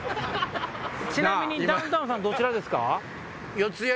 ちなみにダウンタウンさんどちらですか？